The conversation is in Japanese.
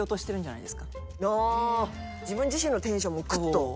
自分自身のテンションもグッと。